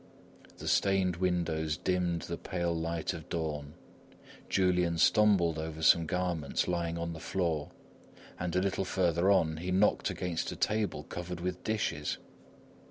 The stained windows dimmed the pale light of dawn. Julian stumbled over some garment's lying on the floor and a little further on, he knocked against a table covered with dishes.